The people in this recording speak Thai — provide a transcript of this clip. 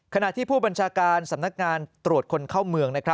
ขณะที่ผู้บัญชาการสำนักงานตรวจคนเข้าเมือง